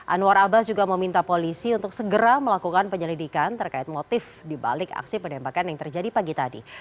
anwar abbas juga meminta polisi untuk segera melakukan penyelidikan terkait motif dibalik aksi penembakan yang terjadi pagi tadi